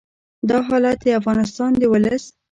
دا حالت د افغانستان د ولس